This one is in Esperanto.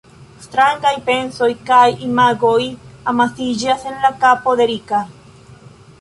Strangaj pensoj kaj imagoj amasiĝas en la kapo de Rika.